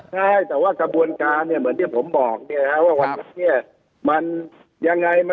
ใช่แต่ว่ากระบวนการเนี่ยเหมือนที่ผมบอกเนี่ยนะว่าวันนี้เนี่ยมันยังไง